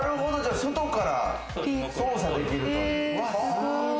外から操作できるという。